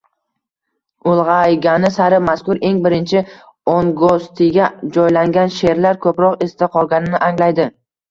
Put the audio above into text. Ulg‘aygani sari mazkur eng birinchi, ongostiga joylangan sherlar ko'proq esda qolganini anglaydi.